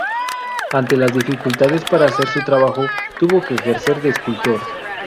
Ante las dificultades para hacer su trabajo tuvo que ejercer de escultor.